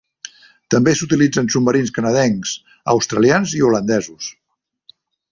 També s'utilitza en submarins canadencs, australians i holandesos.